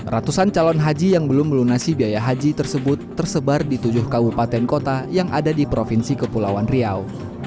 ratusan calon haji yang belum melunasi biaya haji tersebut tersebar di tujuh kabupaten kota yang ada di provinsi kepulauan riau